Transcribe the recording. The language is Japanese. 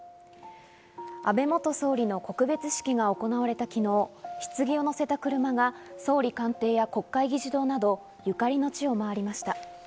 安倍元総理の告別式が行われた昨日、棺を乗せた車が総理官邸や国会議事堂などゆかりの地を回りました。